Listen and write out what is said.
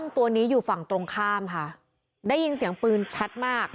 ตัวนี้อยู่ฝั่งตรงข้ามค่ะได้ยินเสียงปืนชัดมาก